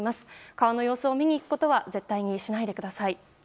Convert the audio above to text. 川の様子を見に行くことは絶対にしないでください。